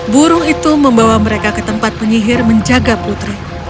burung itu membawa mereka ke tempat penyihir menjaga putri